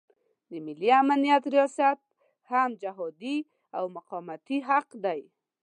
د ملي امنیت ریاست هم جهادي او مقاومتي حق دی.